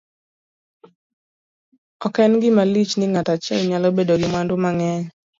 ok en gima lich ni ng'ato achiel nyalo bedo gi mwandu mang'eny